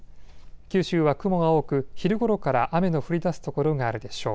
九州は雲が多く昼ごろから雨の降りだす所があるでしょう。